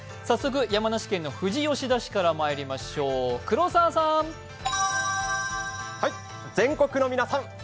早速、山梨県の富士吉田市からまいりましょう、黒澤さん。